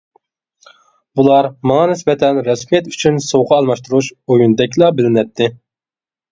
بۇلار ماڭا نىسبەتەن رەسمىيەت ئۈچۈن سوۋغا ئالماشتۇرۇش ئويۇنىدەكلا بىلىنەتتى.